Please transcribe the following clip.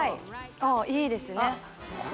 あいいですね